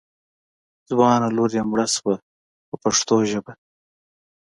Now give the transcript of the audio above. ځوانه لور یې مړه شوه په پښتو ژبه.